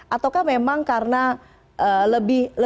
atau memang karena lebih banyak